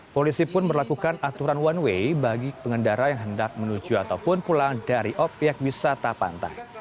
polisi pun melakukan aturan one way bagi pengendara yang hendak menuju ataupun pulang dari obyek wisata pantai